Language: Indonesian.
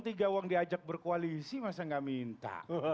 tiga uang diajak berkoalisi masa nggak minta